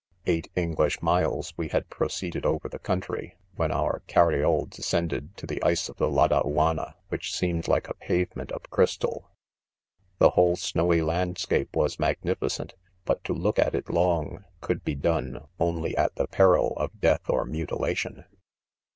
"' Eight English miles we had proceeded 5 ove* the country 5 : when our mriole, ^ descendei to the ice of the ' Lad&uanns^ which, seemed like a pavement of crystal. f4« 128 IDOMEN, .'• The "whole 'snowy landscape was magnifi cent, but to. 16 ok at it long , could be done, on ly at the peril of death or mutilation.